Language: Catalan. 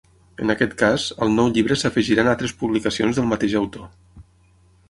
En aquest cas, al nou llibre s’afegiran altres publicacions del mateix autor.